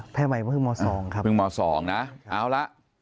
แพทย์ใหม่ว่าเมื่อเพิ่งม๒ครับเพิ่งเมื่อเมื่อ๒นะเอาละ